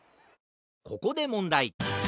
ここでもんだい！